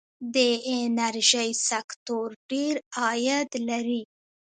د انرژۍ سکتور ډیر عاید لري.